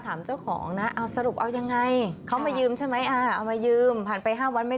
ตำรวจก็พยายามถามเจ้าของนะ